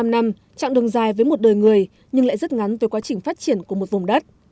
bảy mươi năm năm chặng đường dài với một đời người nhưng lại rất ngắn về quá trình phát triển của một vùng đất